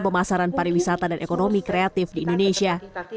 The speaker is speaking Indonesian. pemasaran pariwisata dan ekonomi kreatif di indonesia